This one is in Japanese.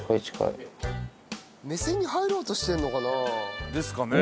目線に入ろうとしてんのかな？ですかね。